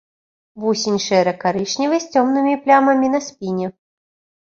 Вусень шэра-карычневы з цёмнымі плямамі на спіне.